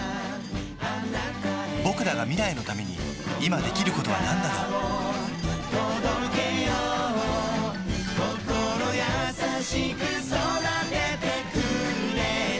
ぼくらが未来のために今できることはなんだろう心優しく育ててくれた